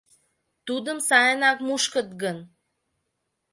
Тудым сайынак мушкыт гын...